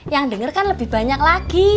yang denger kan lebih banyak lagi